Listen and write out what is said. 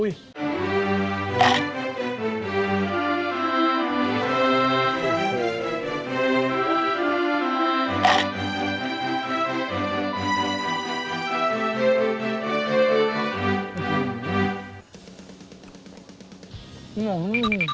วิน่าฮัง